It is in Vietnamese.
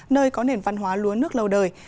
nơi có nền văn hóa lúa nước lâu đời